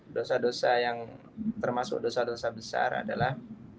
dosa dosa yang termasuk dosa dosa besar adalah